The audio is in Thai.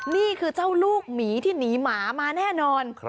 นี่คือเจ้าลูกหมีที่หนีหมามาแน่นอน